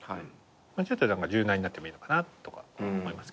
もうちょっと柔軟になってもいいのかなとか思いますけどね。